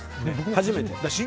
初めて。